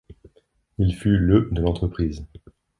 Il fut le de l'entreprise.